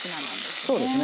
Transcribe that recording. そうですね。